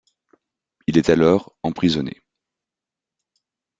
Il est alors emprisonné.